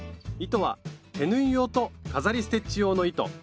糸は手縫い用と飾りステッチ用の糸